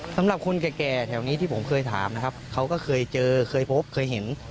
สำหรับคนแก่แถวนี้ที่ผมเคยถามนะครับเขาก็เคยเจอเคยพบเคยเห็น